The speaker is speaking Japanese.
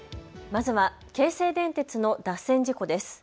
まずは京成電鉄の脱線事故です。